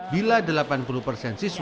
bila delapan puluh persen siswa